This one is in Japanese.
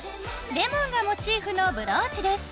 レモンがモチーフのブローチです。